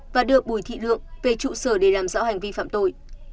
và đưa bùi thị lượng về trụ sở để làm rõ hành vi phạm tội